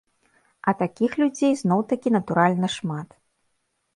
А такіх людзей зноў-такі натуральна шмат.